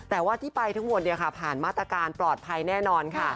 แต่ว่าที่ไปทั้งหมดผ่านมาตรการปลอดภัยแน่นอนค่ะ